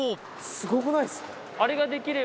すごくないっすか？